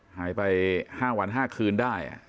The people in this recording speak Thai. หายไปห้างวันห้างคืนได้อ่ะ